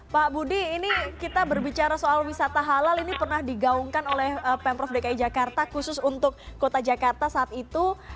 pak budi ini kita berbicara soal wisata halal ini pernah digaungkan oleh pemprov dki jakarta khusus untuk kota jakarta saat itu